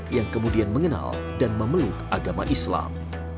yang kemudian mengenal dan memeluk agama islam